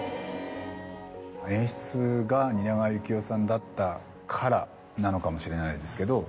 演出が蜷川幸雄さんだったからなのかもしれないですけど。